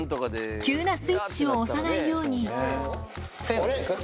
急なスイッチを押さないように。